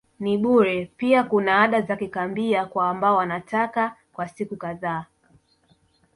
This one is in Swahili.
ni bure pia kuna ada za kikambia kwa ambao watakaa kwa siku kadhaa